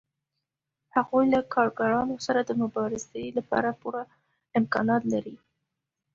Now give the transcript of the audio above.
هغوی له کارګرانو سره د مبارزې لپاره پوره امکانات لري